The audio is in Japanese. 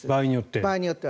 場合によっては。